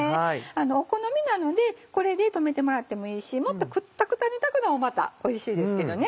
お好みなのでこれで止めてもらってもいいしもっとくったくたに炊くのもまたおいしいですけどね。